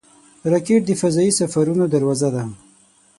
راکټ د فضايي سفرونو دروازه ده